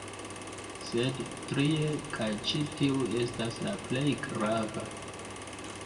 Sed trie, kaj ĉi tiu estas la plej grava